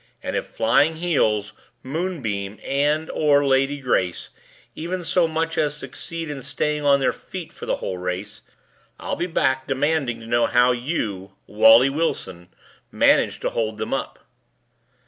"And if Flying Heels, Moonbeam, and or Lady Grace even so much as succeed in staying on their feet for the whole race, I'll be back demanding to know how you Wally Wilson managed to hold them up!"